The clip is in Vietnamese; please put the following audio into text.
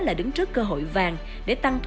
là đứng trước cơ hội vàng để tăng